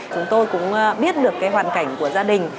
chúng tôi cũng biết được hoàn cảnh của gia đình